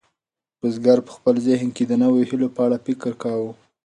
بزګر په خپل ذهن کې د نویو هیلو په اړه فکر کاوه.